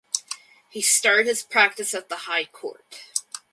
He started his practice at the High Court.